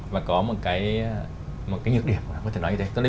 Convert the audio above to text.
và có một cái nhược điểm của nó có thể nói như thế